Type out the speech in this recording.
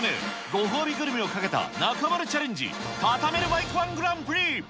ご褒美グルメをかけた中丸チャレンジ、タタメルバイクワングランプリ。